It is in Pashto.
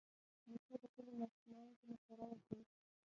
نیکه د کلي ماشومانو ته مشوره ورکوي.